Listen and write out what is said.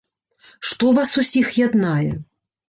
Што вас усіх яднае?